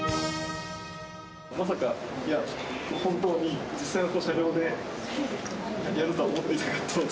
まさか、いや、本当に実際の車両でやると思っていなかったので。